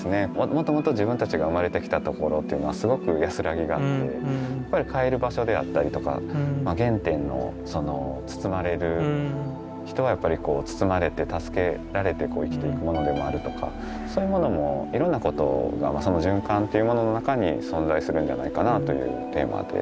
もともと自分たちが生まれてきたところというのはすごく安らぎがあって帰る場所であったりとか原点のその包まれる人はやっぱりこう包まれて助けられて生きていくものでもあるとかそういうものもいろんなことがその循環というものの中に存在するんじゃないかなというテーマで。